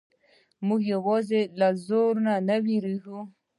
موږ یوازې له زور نه وېریږو.